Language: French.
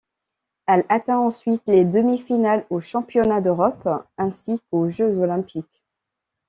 Elle atteint ensuite les demi-finales aux Championnats d'Europe ainsi qu'aux Jeux olympiques.